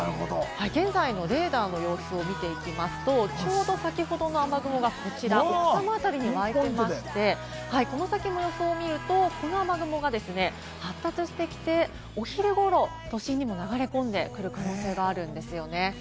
現在のレーダーの様子を見ていきますと、ちょうど先ほどの雨雲がこちら、この辺りにわいていまして、この先の予想を見ると、この雨雲が発達してきて、お昼ごろに都心にも流れ込んでくる可能性があるんですよね。